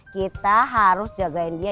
kita harus jagain dia